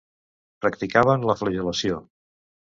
Practicaven la flagel·lació.